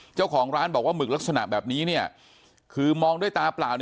เจ้าของร้านบอกว่าหมึกลักษณะแบบนี้คือมองด้วยตาเปล่า